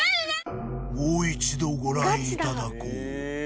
もう一度ご覧いただこう